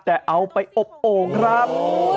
แต่เอาไปอบโอ่งครับ